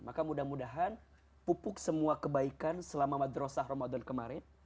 maka mudah mudahan pupuk semua kebaikan selama madrasah ramadan kemarin